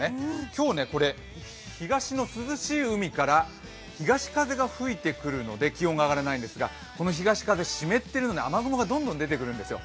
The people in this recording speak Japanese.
今日、東の涼しい海から東風が吹いてくるので気温が上がらないんですが、この東風、湿っているので雨雲がどんどん出てくるんですよ。